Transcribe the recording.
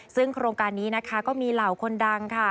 ซึ่งโครงการนี้นะคะก็มีเหล่าคนดังค่ะ